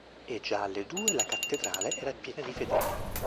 E già alle due la Cattedrale era piena di fedeli.